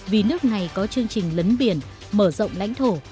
vì nước này có chương trình lấn biển mở rộng lãnh thổ